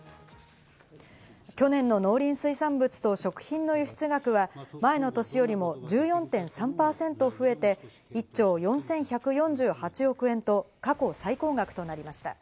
去年の農林水産物と食品の輸出額は前の年よりも１４．３％増えて、１兆４１４８億円と、過去最高額となりました。